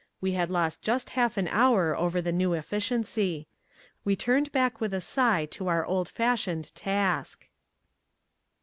We had lost just half an hour over the new efficiency. We turned back with a sigh to our old fashioned task.